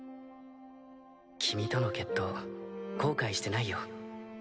君との決闘後悔してないよ。